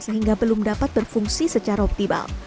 sehingga belum dapat berfungsi secara optimal